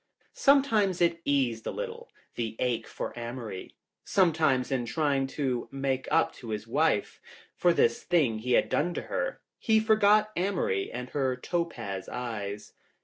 Sometimes, it eased a little, the ache for Amory. Sometimes in trying to make up to his wife for this thing he had done to her, he forgot Amory and her topaz eyes.